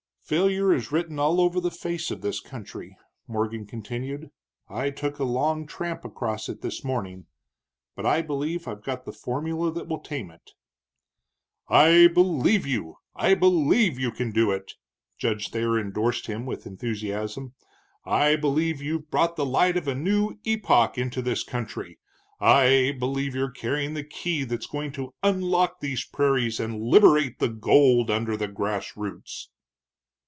"Failure is written all over the face of this country," Morgan continued; "I took a long tramp across it this morning. But I believe I've got the formula that will tame it." "I believe you, I believe you can do it," Judge Thayer indorsed him, with enthusiasm. "I believe you've brought the light of a new epoch into this country, I believe you're carrying the key that's going to unlock these prairies and liberate the gold under the grass roots."